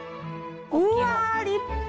うわ立派！